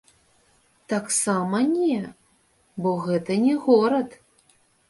Таксама не, бо гэта не горад.